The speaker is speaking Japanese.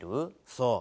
そう。